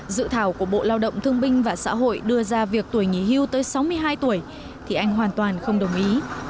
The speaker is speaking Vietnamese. dự thảo của bộ lao động thương binh và xã hội đưa ra việc tuổi nghỉ hưu tới sáu mươi hai tuổi thì anh hoàn toàn không đồng ý